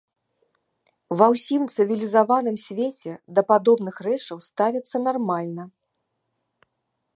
Ва ўсім цывілізаваным свеце да падобных рэчаў ставяцца нармальна.